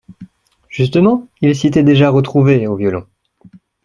justement, il s’y était déjà retrouvé, au violon.